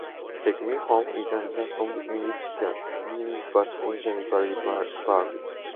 "Take Me Home" is another song in which the meaning was originally very vague.